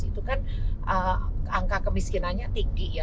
itu kan angka kemiskinannya tinggi ya